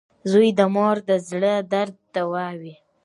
• زوی د مور د زړۀ درد دوا وي.